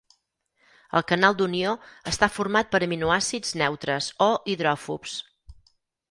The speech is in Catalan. El canal d'unió està format per aminoàcids neutres o hidròfobs.